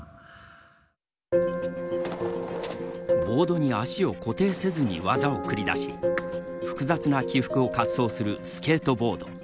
ボードに足を固定せずに技を繰り出し複雑な起伏を滑走するスケートボード。